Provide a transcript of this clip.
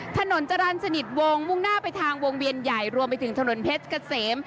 ถนนจรรย์สนิทวงมุ่งหน้าไปทางวงเวียนใหญ่รวมไปถึงถนนเพชรเกษม